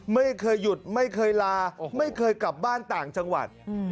ไม่เคยหยุดไม่เคยลาไม่เคยกลับบ้านต่างจังหวัด